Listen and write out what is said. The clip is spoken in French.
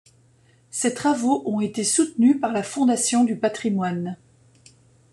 Ces travaux ont été soutenus par la Fondation du Patrimoine.